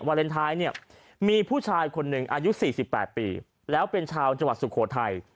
เลนไทยเนี่ยมีผู้ชายคนหนึ่งอายุ๔๘ปีแล้วเป็นชาวจังหวัดสุโขทัย